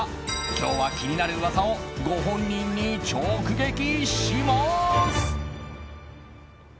今日は気になる噂をご本人に直撃します。